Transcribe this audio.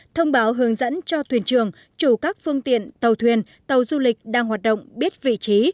thông báo hướng dẫn cho thuyền trường chủ các phương tiện tàu thuyền tàu du lịch đang hoạt động biết vị trí